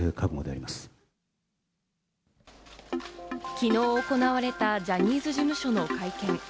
きのう行われたジャニーズ事務所の会見。